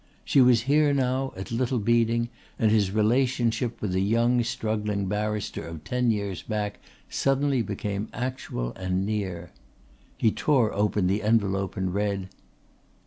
She was here now at Little Beeding and his relationship with the young struggling barrister of ten years back suddenly became actual and near. He tore open the envelope and read.